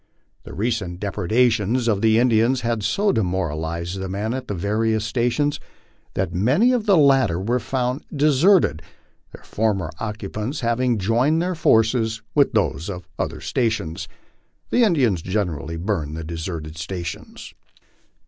The recent depredations of the Indians had so demoralized the men at the various stations that many of the latter were found deserted, their former occupants having joined their forces with those of other stations. The Indians generally burned the deserted stations.